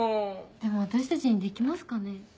でも私たちにできますかね？